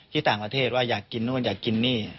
ที่ต่างประเทศว่าอยากกินนู่นอยากกินนี่